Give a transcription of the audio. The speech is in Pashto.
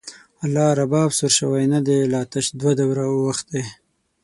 لا رباب سور شوی نه دی، لا تش دوه دوره او ښتی